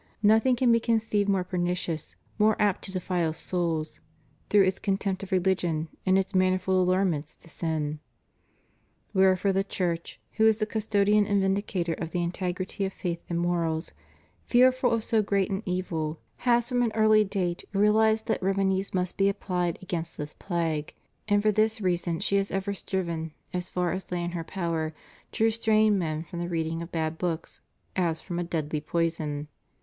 Nothing can be conceived more pernicious, more apt to defile souls, through its contempt of religion, and its manifold allurements to sin. Wherefore the Church, who is the custodian and vindicator of the integrity of faith and morals, fearful of so great an evil, has from an early date realized that remedies must be applied against this plague; and for this reason she has ever striven, as far as lay in her power, to restrain men from the reading of bad books, as fram a deadly poison.